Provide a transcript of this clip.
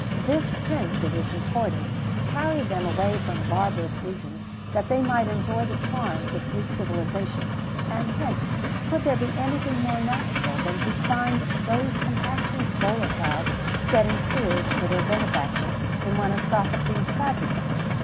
[XVII 103] This Prince, it is reported, carried them away from barbarous regions, that they might enjoy the charms of Greek civilization; and hence could there be anything more natural than to find those compassionate volatiles shedding tears for their benefactor, in one of Sophocles' tragedies?